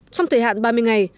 trong thời hạn ba mươi ngày